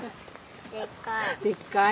でっかい。